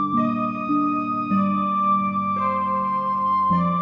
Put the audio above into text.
kalau harus memizinkan